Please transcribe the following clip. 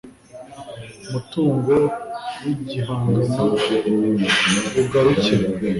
mutungo w igihangano bugarukira